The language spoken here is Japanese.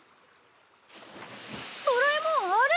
ドラえもんあれ！